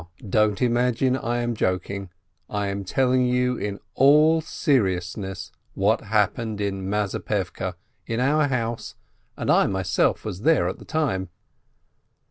Don't imagine I am joking, I am telling you in all seriousness what happened in Mazepevke, in our house, and I myself was there at the time.